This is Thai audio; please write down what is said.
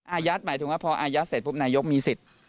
อายัดหมายถึงว่าพออายัดเสร็จปุ๊บนายกมีสิทธิ์